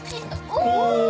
お！